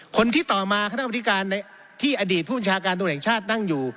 คนที่ต่อมาคณะบริการที่อดีตผู้บัญชาการตรวจแห่งชาตินั่งอยู่